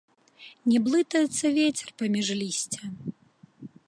Не блытаецца вецер паміж лісця.